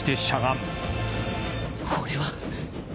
これは